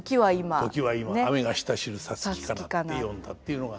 「ときは今あめが下しる五月かな」って詠んだっていうのが。